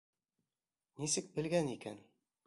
Нисек белгән икән?